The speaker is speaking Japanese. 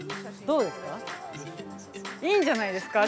どうですか？